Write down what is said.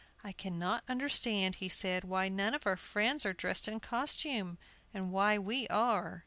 "I cannot understand," he said, "why none of our friends are dressed in costume, and why we are."